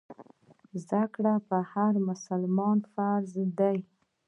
زده کړه پر هر مسلمان فرض دی.